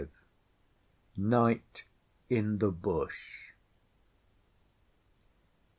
NIGHT IN THE BUSH.